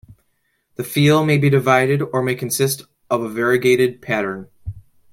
The field may be divided or may consist of a variegated pattern.